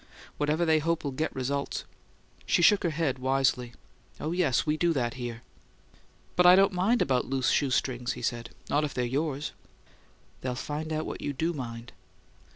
Whatever they hope will get results." She shook her head wisely. "Oh, yes; we do that here!" "But I don't mind loose shoe strings," he said. "Not if they're yours." "They'll find out what you do mind."